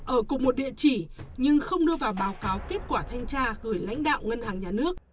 ở cùng một địa chỉ nhưng không đưa vào báo cáo kết quả thanh tra gửi lãnh đạo ngân hàng nhà nước